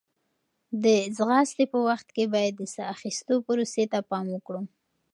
د ځغاستې په وخت کې باید د ساه اخیستو پروسې ته پام وکړو.